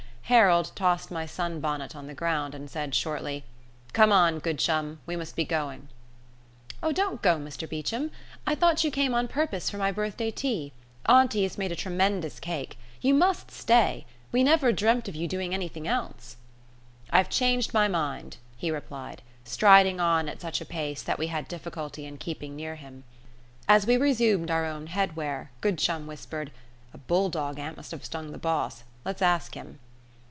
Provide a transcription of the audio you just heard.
Harold tossed my sun bonnet on the ground, and said shortly, "Come on, Goodchum, we must be going." "Oh, don't go, Mr Beecham. I thought you came on purpose for my birthday tea. Auntie has made me a tremendous cake. You must stay. We never dreamt of you doing anything else." "I've changed my mind," he replied, striding on at such a pace that we had difficulty in keeping near him. As we resumed our own head wear, Good churn whispered, "A bulldog ant must have stung the boss. Let's ask him."